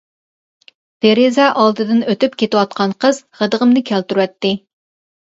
دېرىزە ئالدىدىن ئۆتۈپ كېتىۋاتقان قىز غىدىقىمنى كەلتۈرۈۋەتتى.